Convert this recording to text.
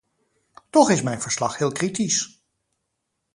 Toch is mijn verslag heel kritisch.